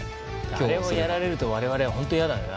あれをやられると我々は本当に嫌だよね。